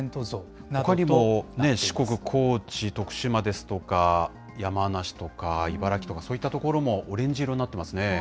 ほかにも四国・高知、徳島ですとか、山梨とか茨城とかそういった所もオレンジ色になっていますね。